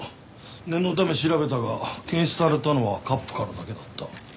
念のため調べたが検出されたのはカップからだけだった。